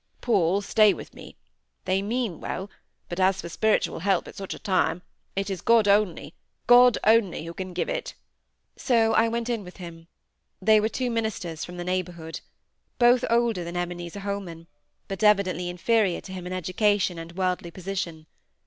Paul, stay with me. They mean well; but as for spiritual help at such a time—it is God only, God only, who can give it. So I went in with him. They were two ministers from the neighbourhood; both older than Ebenezer Holman; but evidently inferior to him in education and worldly position.